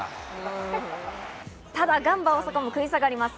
ただ、ガンバ大阪も食い下がります。